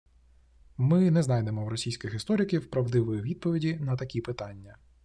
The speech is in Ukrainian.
Ми не знайдемо в російських істориків правдивої відповіді на такі питання